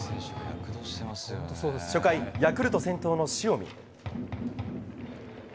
初回ヤクルト先頭の塩見。